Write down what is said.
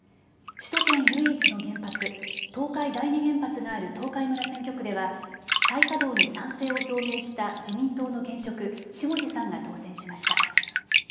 首都圏唯一の原発東海第二原発がある東海村選挙区では再稼働に賛成を表明した自民党の現職、下路さんが当選しました。